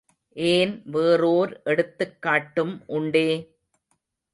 ஏன், வேறோர் எடுத்துக் காட்டும் உண்டே!